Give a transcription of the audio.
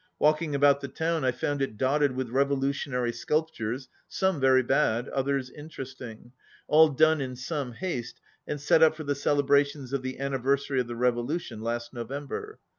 Walking about the town I found it dotted with revolutionary sculptures, some very bad, others interesting, all done in some haste and set up for the celebrations of the anniversary of the revolution last November.